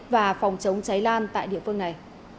và phòng chống cháy lan tại địa phương này